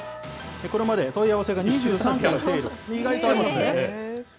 これまで、問い合わせが２３件も来ていると。